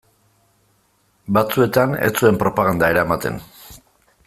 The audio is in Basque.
Batzuetan ez zuen propaganda eramaten.